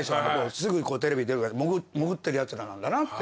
すぐテレビ出る潜ってるやつらなんだなって。